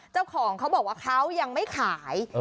เจ้าของเขาบอกว่าเขายังไม่ขาย